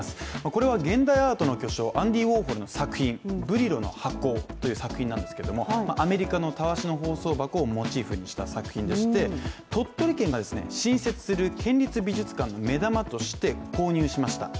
これは現代アートの巨匠アンディ・ウォーホルの作品「ブリロの箱」という作品なんですがアメリカのたわしの包装箱をモチーフにした作品でして鳥取県が新設する県立美術館の目玉として購入しました。